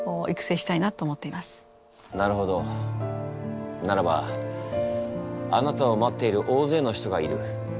なるほどならばあなたを待っている大勢の人がいる。